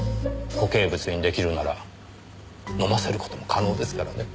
固形物にできるなら飲ませる事も可能ですからね。